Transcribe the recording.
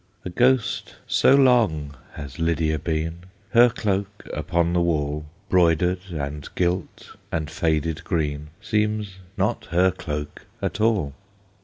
A ghost so long has Lydia been, Her cloak upon the wall, Broidered, and gilt, and faded green, Seems not her cloak at all.